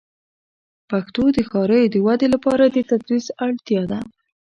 د پښتو د ښاریو د ودې لپاره د تدریس اړتیا ده.